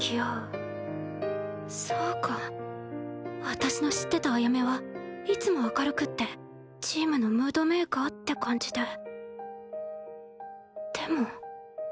私の知ってたアヤメはいつも明るくってチームのムードメーカーって感じで。